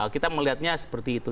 kita melihatnya seperti itu